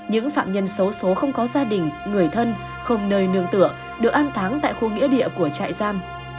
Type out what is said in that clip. những phạm nhân xấu xố không có gia đình người thân không nơi nương tựa được an táng tại khu nghĩa địa của trại giam